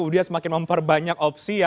dan seterusnya gitu